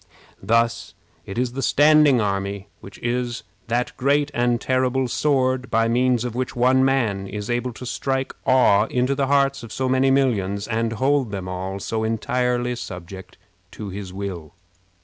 Thus it is the standing army which is that great and terrible sword by means of which one man is able to strike awe into the hearts of so many millions, and hold them all so entirely subject to his will.